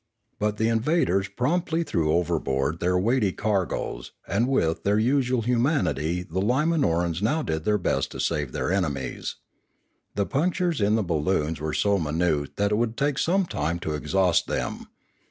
But the invaders promptly threw overboard their weighty cargoes, and with their usual humanity the Limanorans now did their best to save their enemies. The punctures in the balloons were so minute that it would take some time to exhaust them.